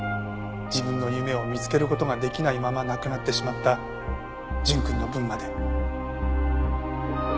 自分の夢を見つける事ができないまま亡くなってしまった純くんの分まで。